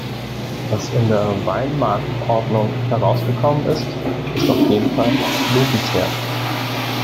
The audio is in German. Was in der Weinmarktordnung herausgekommen ist, ist auf jeden Fall lobenswert.